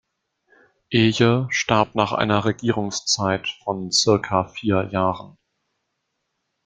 Eje starb nach einer Regierungszeit von circa vier Jahren.